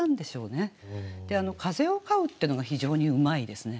「風を飼ふ」ってのが非常にうまいですね。